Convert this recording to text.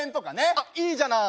あっいいじゃない！